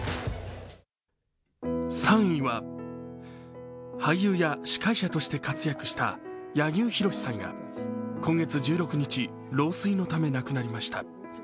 ３位は、俳優や司会者として活躍した柳生博さんが今月１６日、老衰のため亡くなりました。